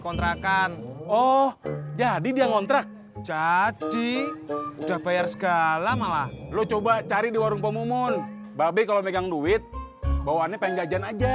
kontrakan oh jadi dia ngontrak jadi udah bayar segala malah lo coba cari di warung pemumun bapak kalau megang duit bawaannya pengajian aja